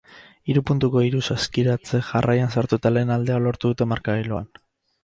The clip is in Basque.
Hiru puntuko hiru saskirae jarraian sartu eta lehen aldea lortu dute markagailuan.